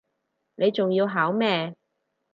你仲要考咩